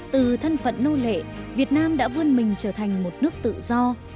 từ thân phận nô lệ việt nam đã vươn mình trở thành một nước tự do